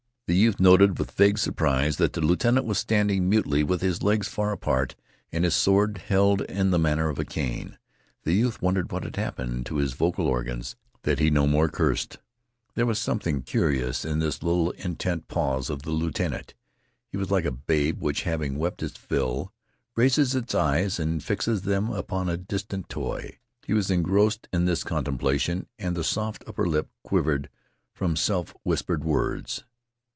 The youth noted with vague surprise that the lieutenant was standing mutely with his legs far apart and his sword held in the manner of a cane. The youth wondered what had happened to his vocal organs that he no more cursed. There was something curious in this little intent pause of the lieutenant. He was like a babe which, having wept its fill, raises its eyes and fixes upon a distant toy. He was engrossed in this contemplation, and the soft under lip quivered from self whispered words.